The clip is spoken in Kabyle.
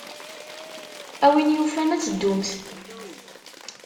A win yufan ad teddumt.